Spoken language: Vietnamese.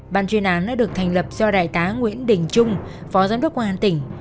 ban chuyên án đã được thành lập do đại tá nguyễn đình trung phó giám đốc công an tỉnh